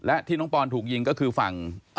และที่น้องปอนถูกยิงก็คือฝั่ง